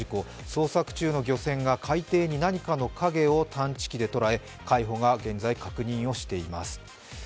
捜索中の漁船が海底に何かの影を魚群探知機で捉え海保が現在確認をしています。